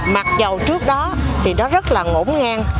mặc dù trước đó thì đó rất là ngổn ngang